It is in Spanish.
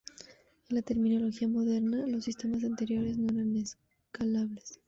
En la terminología moderna, los sistemas anteriores no eran "escalables".